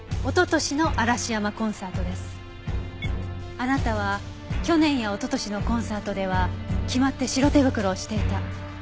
あなたは去年や一昨年のコンサートでは決まって白手袋をしていた。